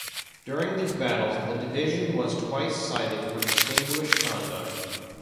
During these battles the division was twice cited for distinguished conduct.